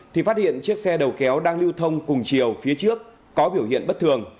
thì phát hiện chiếc xe đầu kéo đang lưu thông cùng chiều phía trước có biểu hiện bất thường